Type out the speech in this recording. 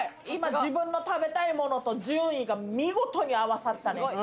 今、自分の食べたいものと順位が見事に合わさったね。